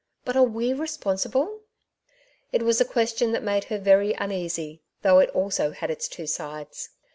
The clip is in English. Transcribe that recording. But are we responsible ?'' It was a question that made her very uneasy, though it also had its two sides.